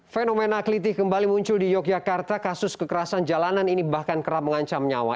fenomena keliti kembali muncul di yogyakarta kasus kekerasan jalanan ini bahkan kerap mengancam nyawa